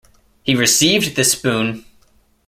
He received this boon.